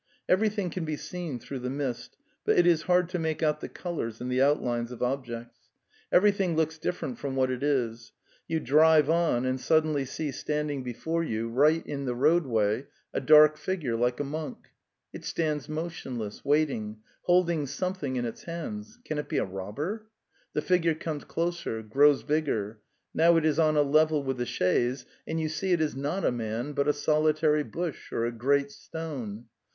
Everything can be seen through the mist, but it is hard to make out the colours and the outlines of objects. Everything looks different from what it is. You drive on and suddenly see standing before you The Steppe pan right in the roadway a dark figure like a monk; it stands motionless, waiting, holding something in its hands. ... Canitbearobber? The figure comes closer, grows bigger; now it is on a level with the chaise, and you see it is not a man, but a solitary bush or a great stone.